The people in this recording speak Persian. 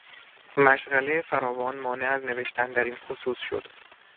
مشغله فراوان مانع از نوشتن در این خصوص شد